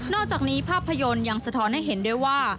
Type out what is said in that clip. อกจากนี้ภาพยนตร์ยังสะท้อนให้เห็นด้วยว่า